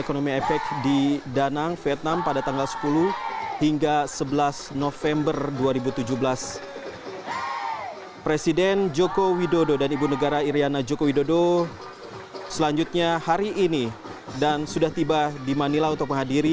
ktt asean jepang